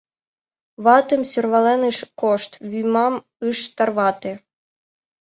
Ватым сӧрвален ыш кошт, вӱмам ыш тарвате.